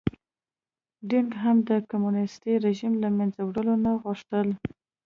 دینګ هم د کمونېستي رژیم له منځه وړل نه غوښتل.